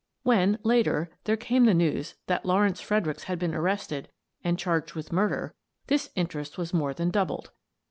When, later, there came the news that Law rence Fredericks had been arrested and charged with murder, this interest was more than doubled.